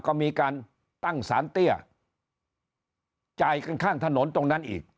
ก็มีการตั้งสารเตี้ยจ่ายกันข้างถนนตรงนั้นอีก